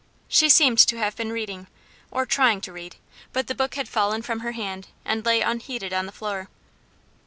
She seemed to have been reading, or trying to read, but the book had fallen from her hand, and lay unheeded on the floor.